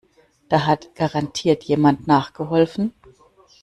Da hat garantiert jemand nachgeholfen.